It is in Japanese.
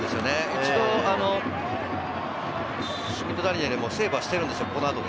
一度シュミット・ダニエルもセーブはしているんですよ。